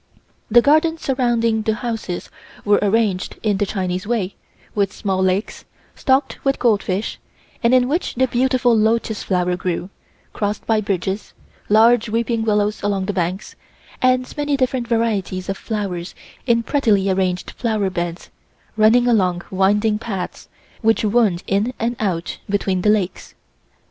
The gardens surrounding the houses were arranged in the Chinese way, with small lakes, stocked with gold fish, and in which the beautiful lotus flower grew; crossed by bridges; large weeping willows along the banks; and many different varieties of flowers in prettily arranged flower beds, running along winding paths, which wound in and out between the lakes.